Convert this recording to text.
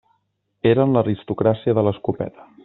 Eren l'aristocràcia de l'escopeta.